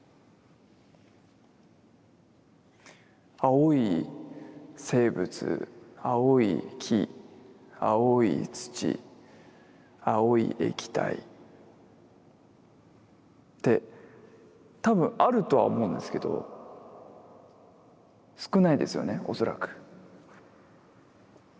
青い生物青い木青い土青い液体って多分あるとは思うんですけど少ないですよね恐らく。